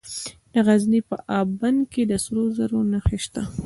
د غزني په اب بند کې د سرو زرو نښې شته.